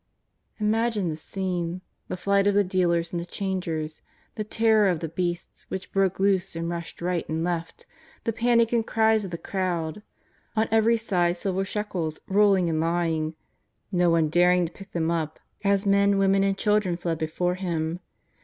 Imagine the scene — the flight of the dealers and the changers; the terror of the beasts which broke loose and rushed right and left; the panic and cries of the crowd; on every side silver shekels rolling and lying, no one daring to pick them up, as men, women and chil dren fled before Him.